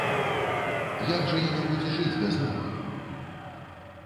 Як жа яна будзе жыць без ног?!